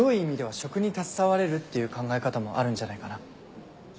食に携われるっていう考え方もあるんじゃないかな。